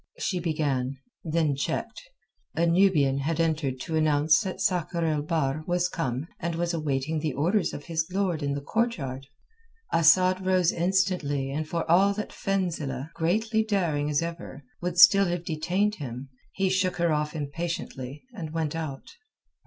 she began, then checked. A Nubian had entered to announce that Sakr el Bahr was come and was awaiting the orders of his lord in the courtyard. Asad rose instantly and for all that Fenzileh, greatly daring as ever, would still have detained him, he shook her off impatiently, and went out.